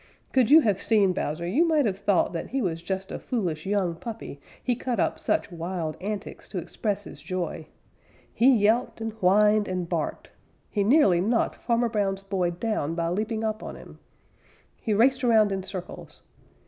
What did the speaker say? Could you have seen Bowser, you might have thought that he was just a foolish young puppy, he cut up such wild antics to express his joy. He yelped and whined and barked. He nearly knocked Farmer Brown's boy down by leaping up on him. He raced around in circles.